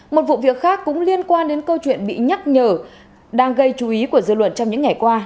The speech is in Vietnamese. một vụ việc khác cũng liên quan đến câu chuyện bị nhắc nhở đang gây chú ý của dư luận trong những ngày qua